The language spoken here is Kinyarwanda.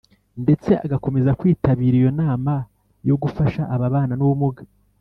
ndetse agakomeza kwitabira iyo nama yo gufasha ababana nubumuga,